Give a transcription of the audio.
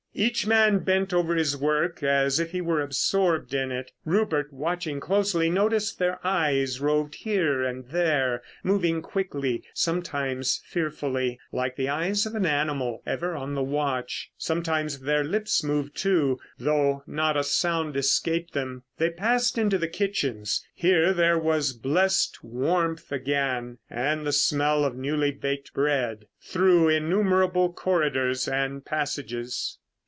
Each man bent over his work as if he were absorbed in it. Rupert, watching closely, noticed their eyes roved here and there, moving quickly, sometimes fearfully; like the eyes of an animal ever on the watch. Sometimes their lips moved, too, though not a sound escaped them. They passed into the kitchens—here there was blessed warmth again and the smell of newly baked bread—through innumerable corridors and passages.